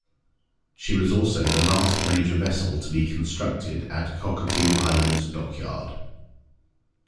She was also the last major vessel to be constructed at Cockatoo Island Dockyard.